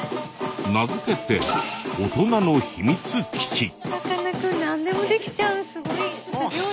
名付けてさかなクン何でもできちゃうのすごいすギョい。